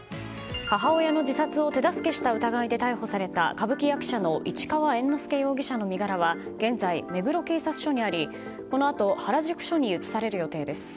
母親の自殺を手助けした疑いで逮捕された歌舞伎役者の市川猿之助容疑者の身柄は現在、目黒警察署にありこのあと原宿署に移される予定です。